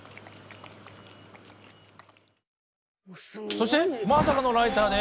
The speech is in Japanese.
そしてまさかのライターで。